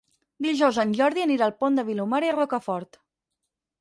Dijous en Jordi anirà al Pont de Vilomara i Rocafort.